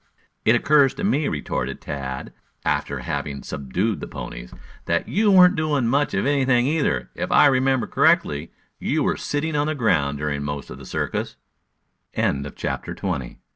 "It occurs to me," retorted Tad, after having subdued the ponies, "that you weren't doing much of anything, either. If I remember correctly, you were sitting on the ground during most of the circus." CHAPTER XXI A COUGAR AT BAY Th